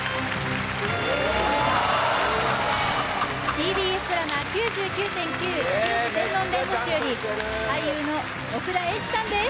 ＴＢＳドラマ「９９．９−刑事専門弁護士−」より俳優の奥田瑛二さんです